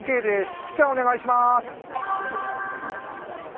福ちゃんお願いします。